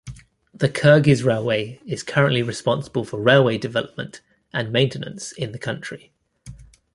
The Kyrgyz Railway is currently responsible for railway development and maintenance in the country.